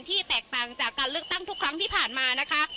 แตกต่างจากการเลือกตั้งทุกครั้งที่ผ่านมานะคะ